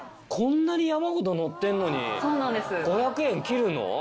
こんなに山ほどのってんのに５００円切るの？